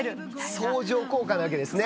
相乗効果なわけですね。